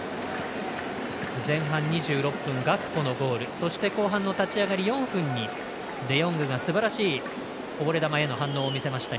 前半２６分、ガクポのゴールそして、後半の立ち上がり４分にデヨングがすばらしいこぼれ球への反応を見せました。